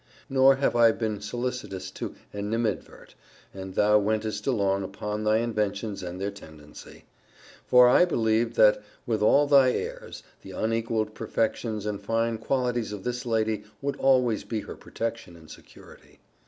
Nor have I been solicitous to animadvert, as thou wentest along, upon thy inventions, and their tendency. For I believed, that with all thy airs, the unequalled perfections and fine qualities of this lady would always be her protection and security.